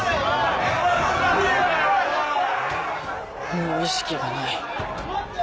もう意識がない。